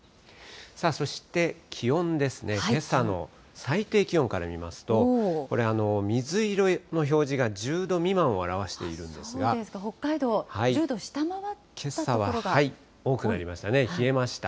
そして気温ですね、けさの最低気温から見ますと、これ、水色の表示が１０度未満を表しているんで北海道、けさは多くなりましたね、冷えました。